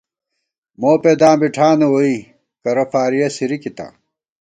موپیداں بی ٹھانہ ووئی کرہ ، فاریَہ سِرِکِتا